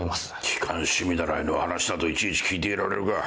機関士見習いの話などいちいち聞いていられるか。